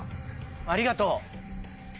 ありがとう。